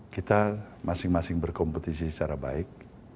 kita masing masing berkompetisi secara baik